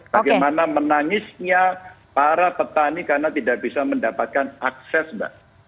bagaimana menangisnya para petani karena tidak bisa mendapatkan akses mbak